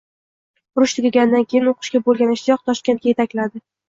Urush tugaganidan keyin o`qishga bo`lgan ishtiyoq Toshkentga etakladi